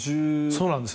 そうなんです。